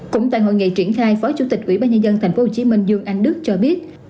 cũng tại hội nghị triển khai phó chủ tịch ủy ban nhân dân thành phố hồ chí minh dương anh đức cho biết